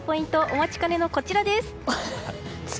お待ちかねのこちらです。